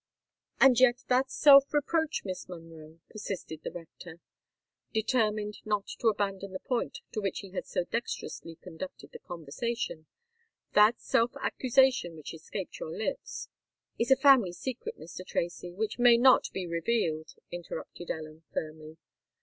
"And yet that self reproach, Miss Monroe," persisted the rector, determined not to abandon the point to which he had so dexterously conducted the conversation,—"that self accusation which escaped your lips——" "Is a family secret, Mr. Tracy, which may not be revealed," interrupted Ellen firmly.